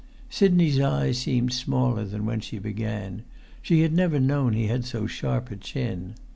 Sidney's eyes seemed smaller than when she began; she had never known he had so sharp a chin.